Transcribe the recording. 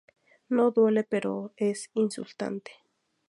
No duele Pero es insultante".